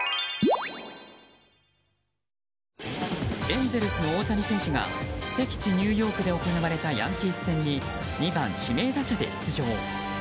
エンゼルスの大谷選手が敵地ニューヨークで行われたヤンキース戦に２番指名打者で出場。